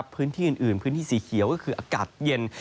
พื้นที่อื่นพื้นที่สีเขียวก็คืออากาศเย็น